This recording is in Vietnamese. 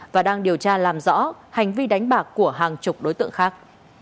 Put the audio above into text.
và đang điều tra làm rõ hành vi đánh bạc của hàng chục đối tượng khác